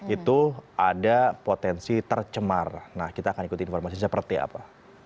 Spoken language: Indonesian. itu ada potensi tercemar nah kita akan ikut informasi seperti apa